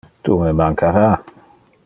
Tu me mancara.